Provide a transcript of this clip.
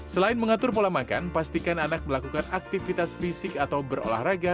selain mengatur pola makan pastikan anak melakukan aktivitas fisik atau berolahraga